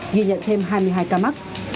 ghi nhận thêm hai mươi hai ca mắc